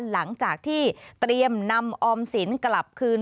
หลังจากที่เตรียมนำออมสินกลับคืน